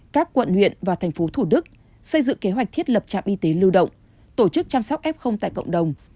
các quận huyện và thành phố thủ đức xây dựng kế hoạch thiết lập trạm y tế lưu động tổ chức chăm sóc f tại cộng đồng